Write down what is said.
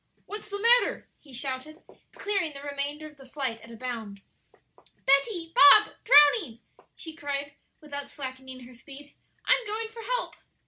"What's the matter?" he shouted, clearing the remainder of the flight at a bound. "Betty, Bob drowning!" she cried, without slackening her speed, "I'm going for help."